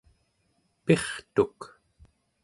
pirtuk